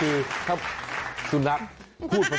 วิธีแบบไหนไปดูกันเล็ก